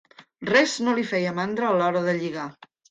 Res no li feia mandra a l'hora de lligar.